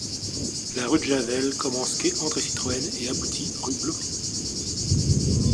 La rue de Javel commence quai André-Citroën et aboutit rue Blomet.